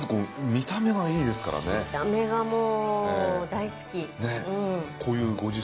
見た目がもう大好き。